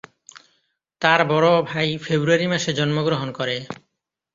তার বড় ভাই ফেব্রুয়ারি মাসে জন্মগ্রহণ করে।